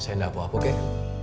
saya nggak apa apa kek